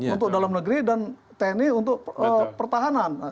untuk dalam negeri dan tni untuk pertahanan